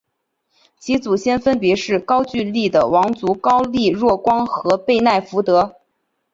其祖先分别是高句丽的王族高丽若光和背奈福德。